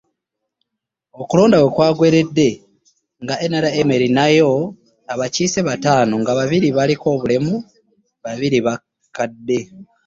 Okulonda we kwaggweeredde nga NRM erinayo abakiise bataano nga babiri baliko obulemu, babiri bakadde.